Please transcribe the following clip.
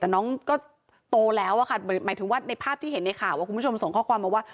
แต่น้องก็โตแล้วอะค่ะหมายถึงว่าในภาพที่เห็นในข่าวว่าคุณผู้ชมส่งข้อความมาว่า